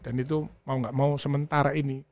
dan itu mau gak mau sementara ini